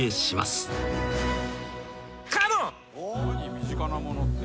身近なものって。